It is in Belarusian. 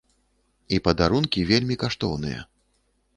І падарункі вельмі каштоўныя.